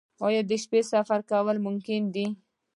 آیا د شپې سفر کول ممکن دي؟